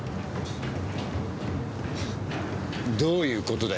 どういう事だよ？